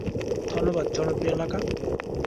ধন্যবাদ জনপ্রিয় এলাকা।